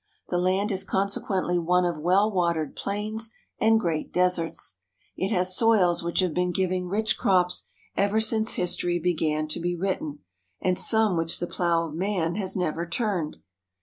The land is consequently one of well watered plains and great deserts. It has soils which have been giving rich crops ever since history began to be written, and some which the plow of man has never turned.